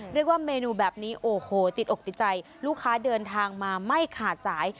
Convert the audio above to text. เรียกว่าเมนูแบบนี้โอ้โหติดอกติดใจลูกค้าเดินทางมาไม่ขาดสาย